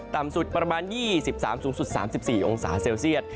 ต่ำสุดประมาณ๒๓สูงสุด๓๔องศาเซลเซียต